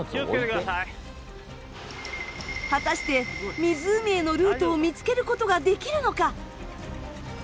果たして湖へのルートを見付ける事ができるのか？